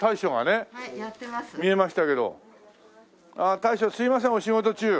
大将すいませんお仕事中。